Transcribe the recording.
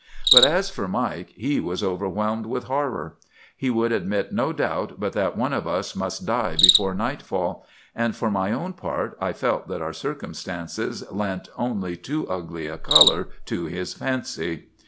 "But as for Mike, he was overwhelmed with horror. He would admit no doubt but that one of us must die before nightfall. And for my own part, I felt that our circumstances lent only too ugly a color to his fancy.